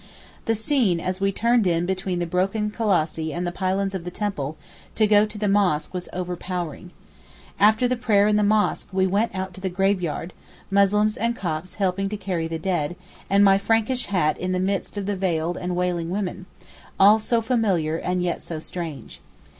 The scene as we turned in between the broken colossi and the pylons of the temple to go to the mosque was over powering. After the prayer in the mosque we went out to the graveyard, Muslims and Copts helping to carry the dead, and my Frankish hat in the midst of the veiled and wailing women; all so familiar and yet so strange.